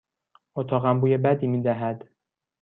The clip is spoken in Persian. اتاقم بوی بدی می دهد.